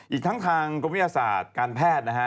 อีกทั้งทางกรมวิทยาศาสตร์การแพทย์นะฮะ